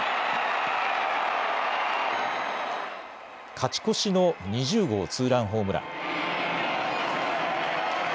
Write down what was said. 勝ち越しの２０号ツーランホームラン。